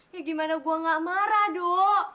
ya gimana gue gak marah dok